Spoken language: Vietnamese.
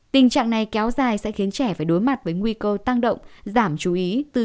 tình trạng này kéo dài sẽ khiến trẻ phải đối mặt với nguy cơ tăng động giảm chú ý